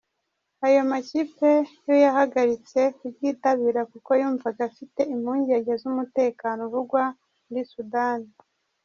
Ayo makipe yo yahagaritse kuryitabira kuko yumvaga afite impungenge z’umutekano uvugwa muri Sudani.